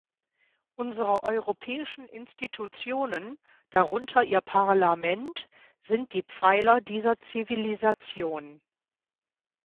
Unsere europäischen Institutionen, darunter Ihr Parlament, sind die Pfeiler dieser Zivilisation.